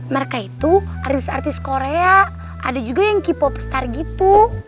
mereka itu artis artis korea ada juga yang k pop star gitu